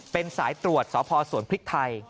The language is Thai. เป็นสายตรวจสพสวนพริกไทย